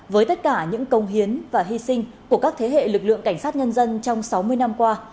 với tất cả những công hiến và hy sinh của các thế hệ lực lượng cảnh sát nhân dân trong sáu mươi năm qua